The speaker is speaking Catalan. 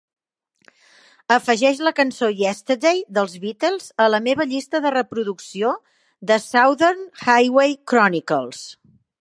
Afegeix la canço "Yesterday" dels "Beatles" a la meva llista de reproducció, "The Southern Highway Chronicles"